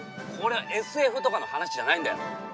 これＳＦとかの話じゃないんだよ。